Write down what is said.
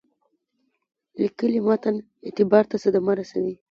لیکلي متن اعتبار ته صدمه رسوي.